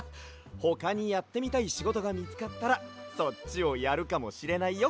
ほかにやってみたいしごとがみつかったらそっちをやるかもしれないよ。